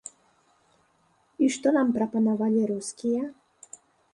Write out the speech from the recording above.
І што нам прапанавалі рускія?